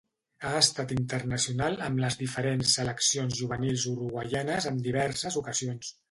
Ha estat internacional amb les diferents seleccions juvenils uruguaianes en diverses ocasions.